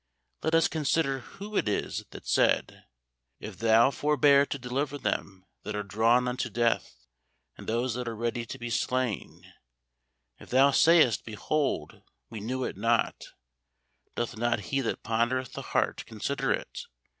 Let us consider Who it is that has said, "If thou forbear to deliver them that are drawn unto death, and those that are ready to be slain; if thou sayest, Behold, we knew it not; doth not He that pondereth the heart consider it?